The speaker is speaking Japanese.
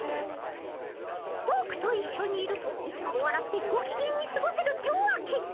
ぼくと一緒にいるといつもわらってごきげんにすごせるってわけ。